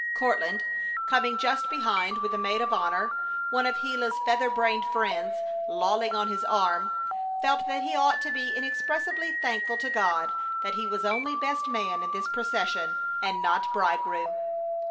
Courtland, coming just behind with the maid of honor, one of Gila's feather brained friends, lolling on his arm, felt that he ought to be inexpressibly thankful to God that he was only best man in this procession, and not bridegroom.